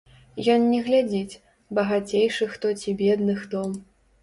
Ён не глядзіць, багацейшы хто ці бедны хто.